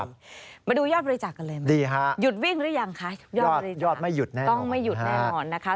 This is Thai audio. มาดูยอดบริจาคกันเลยหยุดวิ่งหรือยังคะยอดบริจาคต้องไม่หยุดแน่นอน